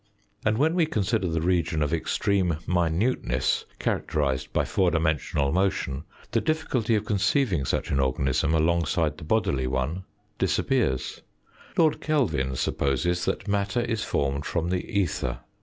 And when we consider the region of extreme minuteness characterised by four dimensional motion the difficulty of conceiving such an organism alongside the bodily one disappears. Lord Kelvin supposes that matter is formed from the ether.